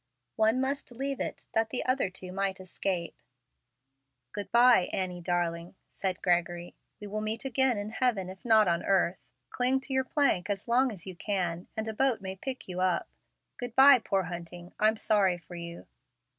One must leave it that the other two might escape. "Good by, Annie, darling," said Gregory. "We will meet again in heaven if not on earth. Cling to your plank as long as you can, and a boat may pick you up. Good by, poor Hunting, I'm sorry for you."